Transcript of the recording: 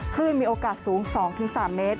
คลื่นมีโอกาสสูง๒๓เมตร